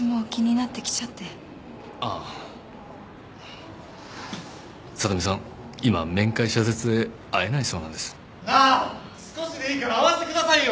なあ少しでいいから会わせてくださいよ！